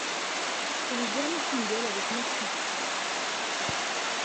C'est le dernier single avec Mākii.